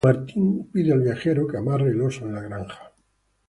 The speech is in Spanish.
Martin pide al viajero que amarre el oso en la granja.